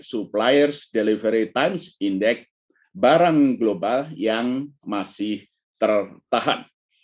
suppliers delivery times indeks barang global yang masih tertahan